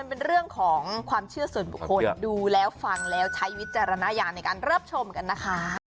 เป็นเรื่องของความเชื่อส่วนบุคคลดูแล้วฟังแล้วใช้วิจารณญาณในการรับชมกันนะคะ